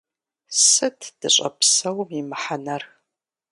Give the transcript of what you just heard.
Сыт дыщӏэпсэум и мыхьэнэр?